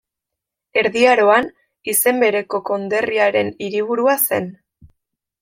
Erdi Aroan izen bereko konderriaren hiriburua zen.